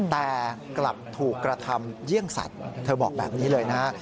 แต่กลับถูกกระทำเยี่ยงสัตว์เธอบอกแบบนี้เลยนะฮะ